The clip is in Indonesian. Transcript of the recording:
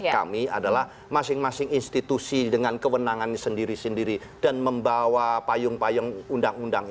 kami adalah masing masing institusi dengan kewenangannya sendiri sendiri dan membawa payung payung undang undang